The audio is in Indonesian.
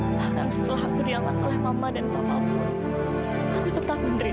bahkan setelah aku diangkat oleh mama dan papa pun aku tetap menerima